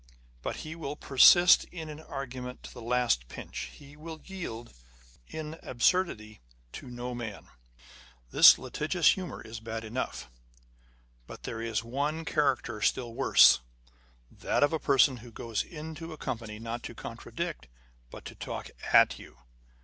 But he will persist in an argument to the last pinch ; he will yield, in absurdity, to no man ! This litigious humour is bad enough : but there is one character still worse â€" that of a person who goes into company, not to contradict, but to talk at you.